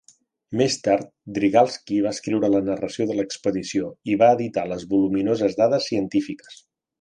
Més tard, Drygalski va escriure la narració de l'expedició i va editar les voluminoses dades científiques.